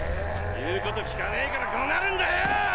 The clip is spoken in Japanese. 言うこと聞かねぇからこうなるんだよ！